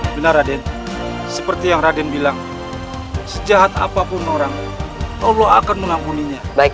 benar aden seperti yang raden bilang sejahat apapun orang allah akan mengangguninya baik